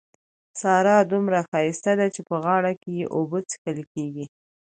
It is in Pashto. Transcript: سارا دومره ښايسته ده چې په غاړه کې يې اوبه څښل کېږي.